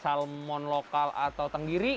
salmon lokal atau tenggiri